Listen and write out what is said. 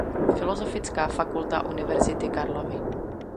Filozofická fakulta Univerzity Karlovy.